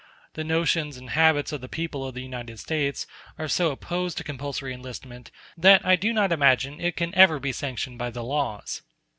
The notions and habits of the people of the United States are so opposed to compulsory enlistment that I do not imagine it can ever be sanctioned by the laws.